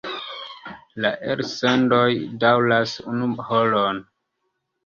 La elsendoj daŭras unu horon.